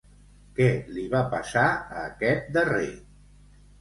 Què li va passar a aquest darrer?